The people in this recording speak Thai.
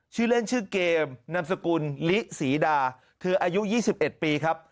ชื่อเล่นชื่อเกมนามสกุลลิศรีดาเธออายุ๒๑ปีครับ